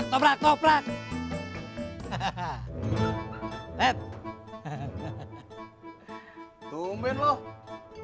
toblak toblak toblak hahaha